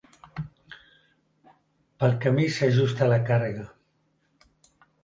Pel camí s'ajusta la càrrega.